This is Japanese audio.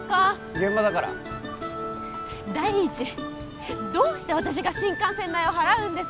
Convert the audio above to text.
現場だから第一どうして私が新幹線代を払うんですか？